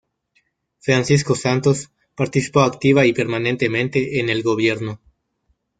Francisco Santos participó activa y permanentemente en el gobierno.